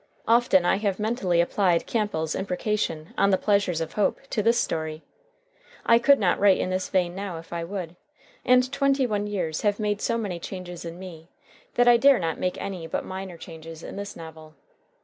Often I have mentally applied Campbell's imprecation on "The Pleasures of Hope" to this story. I could not write in this vein now if I would, and twenty one years have made so many changes in me that I dare not make any but minor changes in this novel.